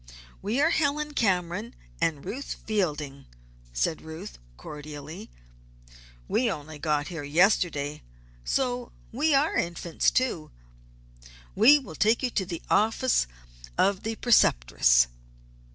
"We are Helen Cameron and Ruth Fielding," said Ruth, cordially. "We only got here yesterday, so we are Infants, too. We will take you to the office of the Preceptress."